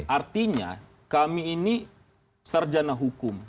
artinya kami ini sarjana hukum